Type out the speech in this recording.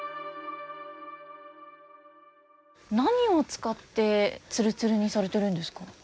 何を使ってツルツルにされてるんですか。